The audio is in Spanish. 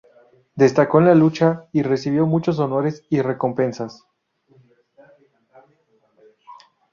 Destacó en la lucha y recibió muchos honores y recompensas.